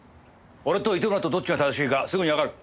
俺と糸村とどっちが正しいかすぐにわかる。